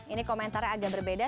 ini komentarnya agak berbeda